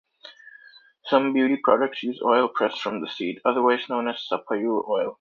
Some beauty products use oil pressed from the seed, otherwise known as sapayul oil.